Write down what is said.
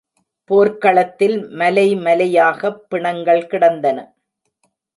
போர்க்களத்தில் மலைமலையாகப் பிணங்கள் கிடந்தன.